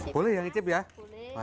boleh yang icip ya